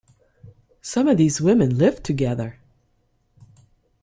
Some of these women lived together.